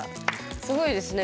すごいですね